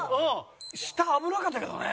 下危なかったけどね。